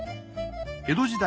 江戸時代